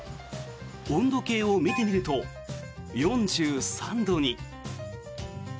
温度計を見てみると、４３度に。